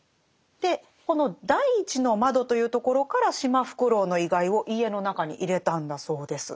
でこの「第一の」というところからシマフクロウの遺骸を家の中に入れたんだそうです。